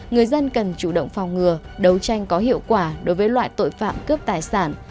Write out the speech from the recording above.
người dân cần chủ động phòng ngừa đấu tranh có hiệu quả đối với loại tội phạm cướp tài sản